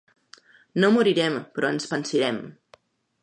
No morirem, però ens pansirem.